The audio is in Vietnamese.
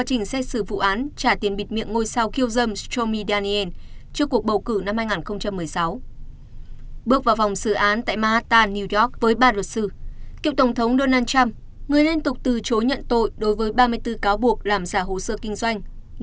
cựu tổng thống donald trump người lên tục từ chối nhận tội đối với ba mươi bốn cáo buộc làm giả hồ sơ kinh doanh